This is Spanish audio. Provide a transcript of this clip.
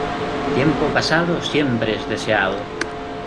Tiempo pasado siempre es deseado.